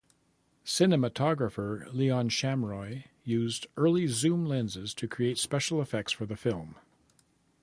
Cinematographer Leon Shamroy used early zoom lenses to create special effects for the film.